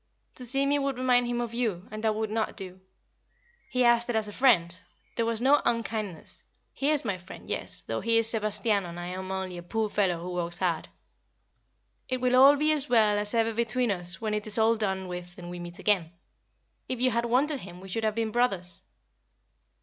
To see me would remind him of you, and that would not do. He asked it as a friend there was no unkind ness he is my friend, yes, though he is Sebastiano and I am only a poor fellow who works hard. It will all be as well as ever between us when it is all done with and we meet again. If you had wanted him we should have been brothers."